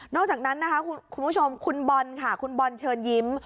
นอกจากนั้นคุณผู้ชมคุณบอลเชิญยิ้ม